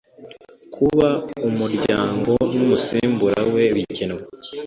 kuba umuryango n umusimbura we bigenwa